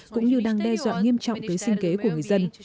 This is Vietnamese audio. cũng như đang đe dọa nghiêm trọng tới sinh kế của người dân